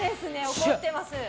怒ってます。